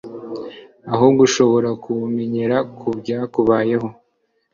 ahubwo ushobora kubumenyera ku byakubayeho.